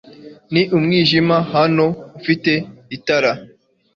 Ni umwijima hano. Ufite itara?